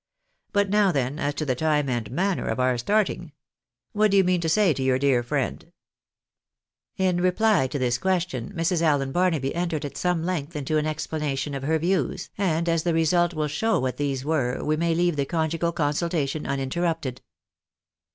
But now then, as to the time and manner of our starting ? What do you mean to say to your dear friend ?" In reply to this question, Mrs. Allen Barnaby entered at some length into an explanation of her views, and as the result will show ■what these were, we may leave the conjugal consultation unin terrupted.